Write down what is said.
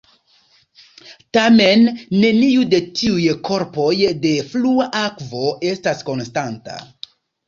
Tamen neniu de tiuj korpoj de flua akvo estas konstanta.